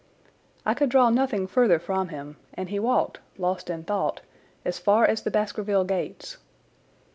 I could draw nothing further from him, and he walked, lost in thought, as far as the Baskerville gates.